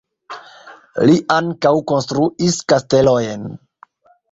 Li ankaŭ konstruis kastelojn.